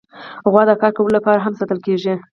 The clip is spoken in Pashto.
غوا د کار کولو لپاره هم ساتل کېږي.